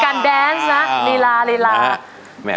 โปรดติดตามต่อไป